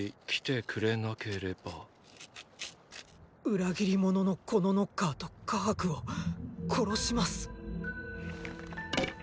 裏切り者のこのノッカーとカハクを殺します！